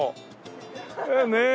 ねえ。